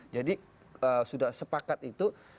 jadi sudah sepakat itu